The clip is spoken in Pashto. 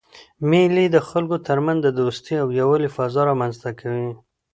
مېلې د خلکو ترمنځ د دوستۍ او یووالي فضا رامنځ ته کوي.